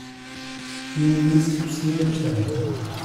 Minimize possíveis danos